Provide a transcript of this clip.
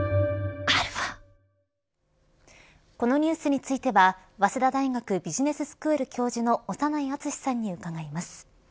このニュースについては早稲田大学ビジネススクール教授の長内厚さんに伺います。